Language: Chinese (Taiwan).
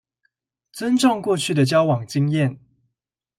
尊重過去的交往經驗